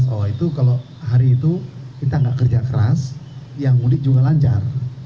oh itu kalau hari itu kita nggak kerja keras yang mudik juga lancar